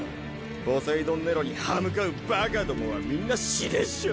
ポセイドン・ネロに歯向かうバカどもはみんな死ねっショ。